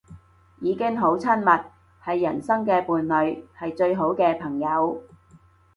已經好親密，係人生嘅伴侶，係最好嘅朋友